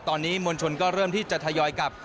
ตอนนี้มวลชนก็เริ่มที่จะทยอยกลับ